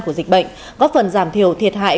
của dịch bệnh góp phần giảm thiểu thiệt hại